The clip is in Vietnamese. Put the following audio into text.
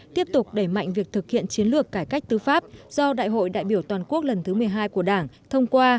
tiếp tục đẩy mạnh việc thực hiện chiến lược cải cách tư pháp do đại hội đại biểu toàn quốc lần thứ một mươi hai của đảng thông qua